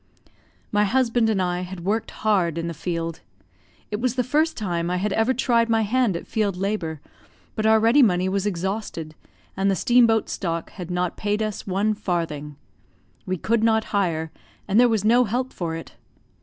My husband and I had worked hard in the field; it was the first time I had ever tried my hand at field labour, but our ready money was exhausted, and the steam boat stock had not paid us one farthing; we could not hire, and there was no help for it.